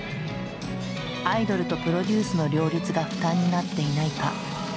アイドルとプロデュースの両立が負担になっていないか。